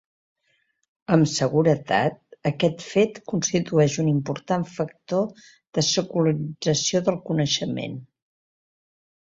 Amb seguretat aquest fet constitueix un important factor de secularització del coneixement.